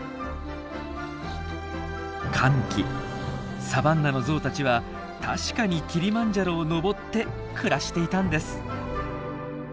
乾季サバンナのゾウたちは確かにキリマンジャロを登って暮らしていたんです！